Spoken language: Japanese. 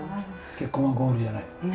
結婚はゴールじゃない。